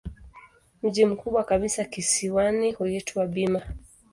Mji mkubwa kabisa kisiwani huitwa Bima.